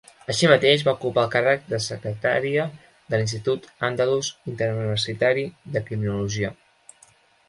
Així mateix, va ocupar el càrrec de Secretària de l'Institut Andalús Interuniversitari de Criminologia.